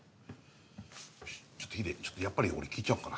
よしちょっとヒデやっぱり俺聞いちゃおっかな。